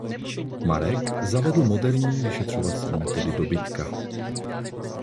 Marek zavedl moderní vyšetřovací metody dobytka.